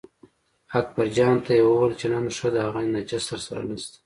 اکبرجان ته یې وویل چې نن ښه ده هغه نجس درسره نشته.